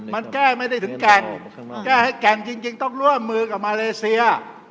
มันแก้ไม่ได้ถึงแก่งแก้ให้แก่งจริงต้องร่วมมือกับมาเลเซีย